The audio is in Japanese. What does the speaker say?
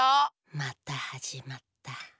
またはじまった。